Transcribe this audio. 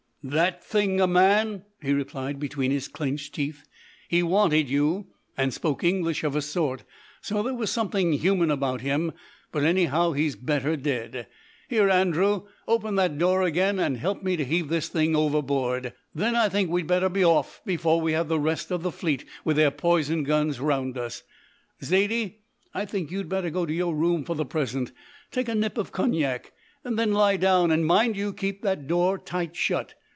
"That thing a man!" he replied between his clenched teeth. "He wanted you, and spoke English of a sort, so there was something human about him, but anyhow he's better dead. Here, Andrew, open that door again and help me to heave this thing overboard. Then I think we'd better be off before we have the rest of the fleet with their poison guns round us. Zaidie, I think you'd better go to your room for the present. Take a nip of cognac and then lie down, and mind you keep the door tight shut.